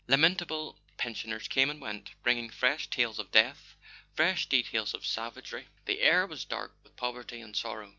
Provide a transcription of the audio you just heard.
Lamentable pensioners came and went, bringing fresh tales of death, fresh details of savagery; the air was dark with poverty and sorrow.